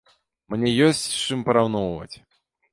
Мне ёсць з чым параўноўваць.